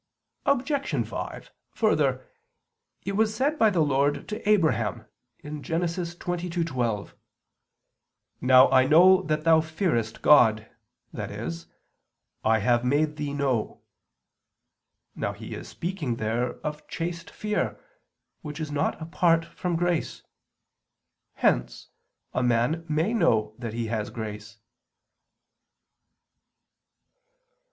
Obj. 5: Further, it was said by the Lord to Abraham (Gen. 22:12): "Now I know that thou fearest God," i.e. "I have made thee know." Now He is speaking there of chaste fear, which is not apart from grace. Hence a man may know that he has grace.